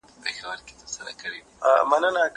زه اوږده وخت سیر کوم!!